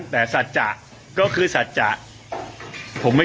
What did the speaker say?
พี่ปั๊ดเดี๋ยวมาที่ร้องให้